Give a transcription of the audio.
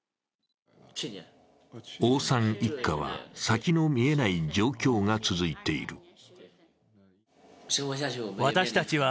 王さん一家は先の見えない状況が続いている。